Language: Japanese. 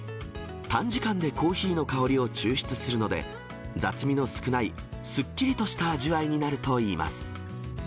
短時間でコーヒーの香りを抽出するので、雑味の少ないすっきりとした味わいになるといいます。